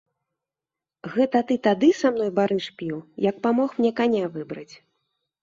Гэта ты тады са мною барыш піў, як памог мне каня выбраць.